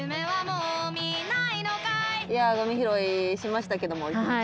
いやあごみ拾いしましたけども１日。